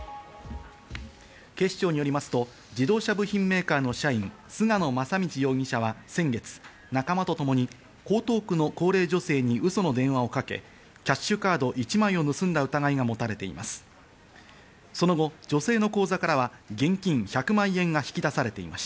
警視庁によりますと、自動車部品メーカーの社員・菅野正道容疑者は先月、仲間とともに江東区の高齢女性にウソの電話をかけ、キャッシュカード１枚を盗んだ疑いが持たれています。